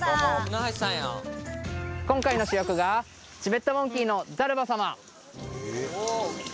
今回の主役がチベットモンキーのザルバ様